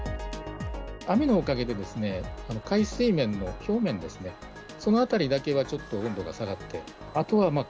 雨のおかげで、海水面の表面ですね、そのあたりだけはちょっと温度が下がって、あとはまあ、